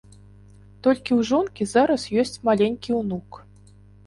Толькі ў жонкі зараз ёсць маленькі ўнук.